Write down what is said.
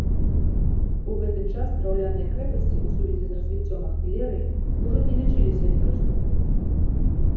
У гэты час, драўляныя крэпасці, у сувязі з развіццём артылерыі, ужо не лічыліся непрыступнымі.